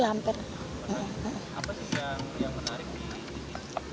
apa sih yang menarik di ini